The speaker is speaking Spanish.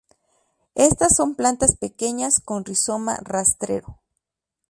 Estas son plantas pequeñas con rizoma rastrero.